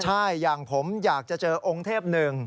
ใช่อย่างผมอยากจะเจอองค์เทพหนึ่ง